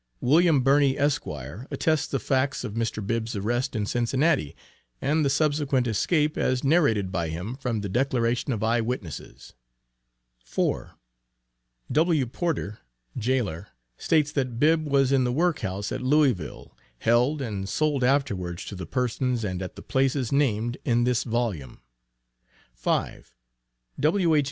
William Birney, Esq., attests the facts of Mr. Bibb's arrest in Cincinnati, and the subsequent escape, as narrated by him, from the declaration of eye witnesses. 4. W. Porter, Jailor, states that Bibb was in the work house at Louisville, held and sold afterwards to the persons and at the places named in this volume. 5. W.H.